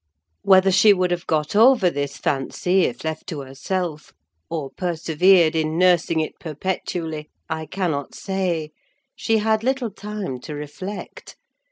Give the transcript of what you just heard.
Whether she would have got over this fancy if left to herself, or persevered in nursing it perpetually, I cannot say: she had little time to reflect.